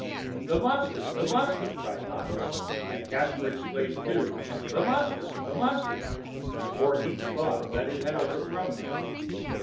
"The monster! the monster!" cried Hans; and Caspar exclaimed, too, "The monster! the monster!" for each thought that it had overthrown him.